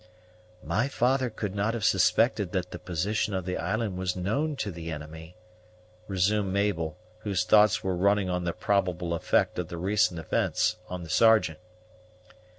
"My father could not have suspected that the position of the island was known to the enemy," resumed Mabel, whose thoughts were running on the probable effect of the recent events on the Sergeant.